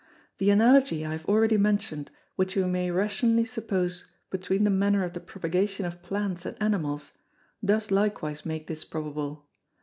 The Analogy I have already mentioned, which we may rationally suppose between the manner of the propagation of Plants and Animals, does likewise make this probable.